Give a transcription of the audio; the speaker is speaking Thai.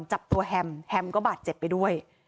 จับตัวแฮมแฮมก็บาดเจ็บไปด้วย